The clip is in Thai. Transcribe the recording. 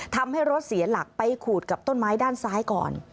ทำให้รถเสียหลักไปขูดกับต้นไม้ด้านซ้ายก่อน